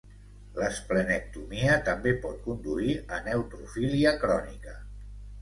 L'esplenectomia també pot conduir a neutrofília crònica.